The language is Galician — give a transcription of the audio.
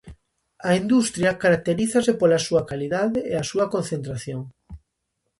A industria caracterízase pola súa calidade e a súa concentración.